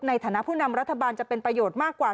ในฐานะผู้นำรัฐบาลจะเป็นประโยชน์มากกว่า